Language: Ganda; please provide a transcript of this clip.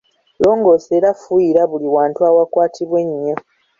Longoosa era fuuyira buli wantu awakwatibwa ennyo.